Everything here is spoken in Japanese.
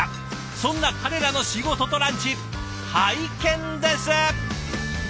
そんな彼らの仕事とランチ拝見です！